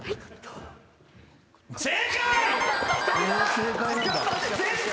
正解！